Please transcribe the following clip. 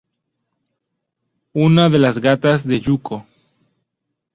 Una de las gatas de Yuuko.